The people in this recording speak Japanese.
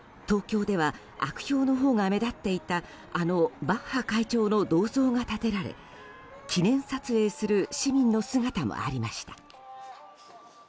東京では悪評のほうが目立っていたあのバッハ会長の銅像が建てられ記念撮影する市民の姿もありました。